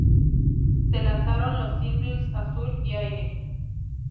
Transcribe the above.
Se lanzaron los singles ""Azul"" y ""Aire"".